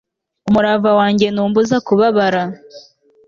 umurava wanjye ntumbuza kubabara